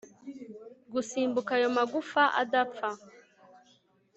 gusimbuka ayo magufa adapfa